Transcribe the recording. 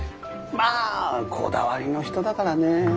まあこだわりの人だからね。